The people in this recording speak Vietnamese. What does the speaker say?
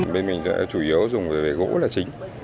bên mình chủ yếu dùng về gỗ là chính